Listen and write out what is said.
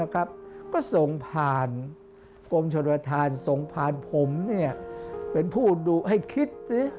ก็ส่งผ่านกรมชนประธานส่งผ่านผมเป็นผู้ดุให้คิดสิ